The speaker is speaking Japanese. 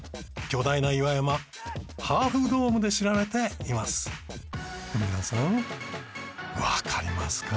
巨大な岩山ハーフドームで知られています。